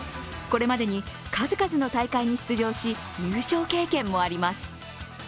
これまでに数々の大会に出場し優勝経験もあります。